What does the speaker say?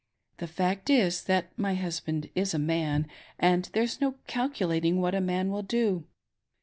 The fact is, my husband is a man, and there's no calculating what a man will do.